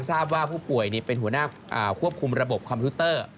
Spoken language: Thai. ทราบว่าผู้ป่วยเป็นหัวหน้าควบคุมระบบคอมพิวเตอร์